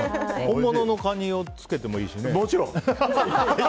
本物のカニをつけてもいいしね。